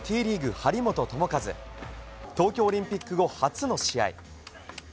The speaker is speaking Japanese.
張本智和、東京オリンピック後初の試合。